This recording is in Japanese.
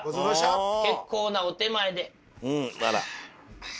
結構なお点前で。